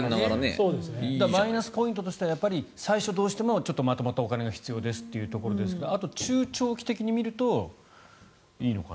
マイナスポイントとしては最初どうしてもちょっとまとまったお金が必要ですということですが中長期的に見るといいのかな。